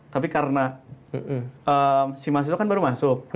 tapi karena si mahasiswa kan baru masuk